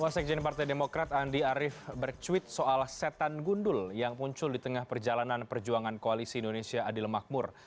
wasekjen partai demokrat andi arief bercuit soal setan gundul yang muncul di tengah perjalanan perjuangan koalisi indonesia adil makmur